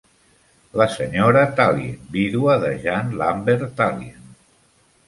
La senyora Tallien, vídua de Jean Lambert Tallien.